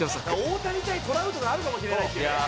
「大谷対トラウトがあるかもしれないっていうね」